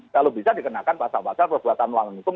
kalau bisa dikenakan pasar pasar perbuatan wang hukum